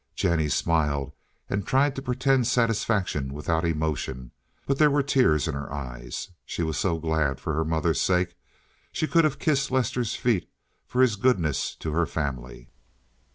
Jennie smiled and tried to pretend satisfaction without emotion, but there were tears in her eyes. She was so glad for her mother's sake. She could have kissed Lester's feet for his goodness to her family.